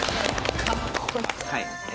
はい。